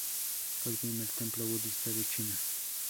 Fue el primer templo budista de China.